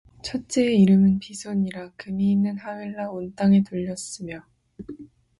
첫째의 이름은 비손이라 금이 있는 하윌라 온 땅에 둘렸으며